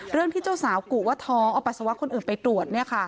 เรื่องที่เจ้าสาวกุว่าท้องเอาปัสสาวะคนอื่นไปตรวจ